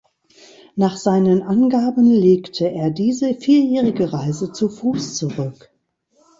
Nach seinen Angaben legte er diese vierjährige Reise zu Fuß zurück.